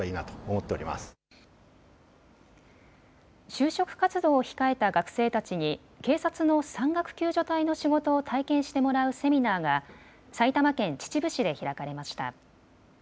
就職活動を控えた学生たちに警察の山岳救助隊の仕事を体験してもらうセミナーが埼玉県秩父市で開かれました。